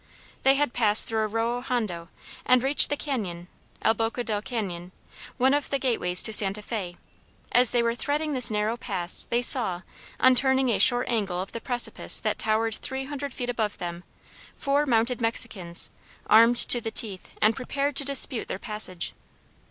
They had passed through Arroyo Hondo and reached the Cañon, (El Boca del Cañon,) one of the gateways to Santa Fé; as they were threading this narrow pass, they saw, on turning a short angle of the precipice that towered three hundred feet above them, four mounted Mexicans, armed to the teeth and prepared to dispute their passage.